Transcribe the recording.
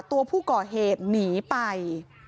ตัวผู้ก่อเหตุหนีไป